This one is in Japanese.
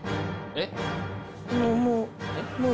えっ？